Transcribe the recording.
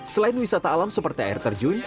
selain wisata alam seperti air terjun